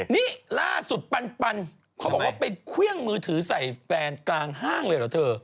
นี่ล่าสุดปันเขาบอกว่าไปเครื่องมือถือใส่แฟนกลางห้างเลยเหรอเธอ